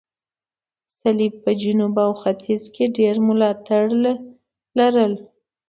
سلپيپ په جنوب او ختیځ کې ډېر ملاتړي لرل.